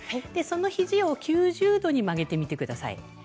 その肘を９０度に曲げてみてください。